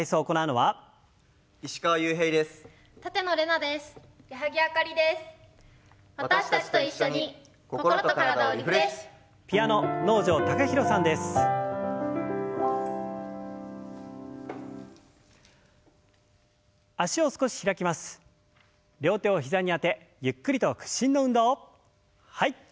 はい。